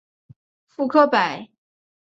傅科摆